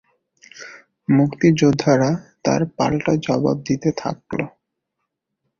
মুক্তিযোদ্ধারা তার পাল্টা জবাব দিতে থাকল।